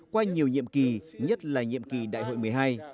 qua nhiều nhiệm kỳ nhất là nhiệm kỳ đại hội một mươi hai